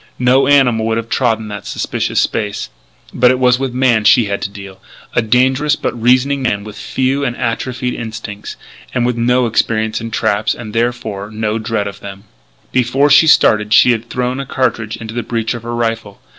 No animal would have trodden that suspicious space. But it was with man she had to deal a dangerous but reasoning man with few and atrophied instincts and with no experience in traps; and, therefore, in no dread of them. Before she started she had thrown a cartridge into the breech of her rifle.